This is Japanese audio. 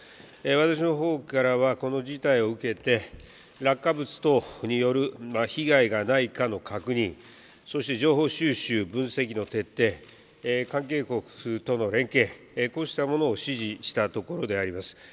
私のほうからはこの事態を受けて、落下物等による被害がないかの確認、そして情報収集、分析の徹底、関係国との連携、こうしたものを指示したところであります。